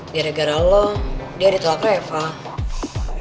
gara gara lo dia ditolak lo ya val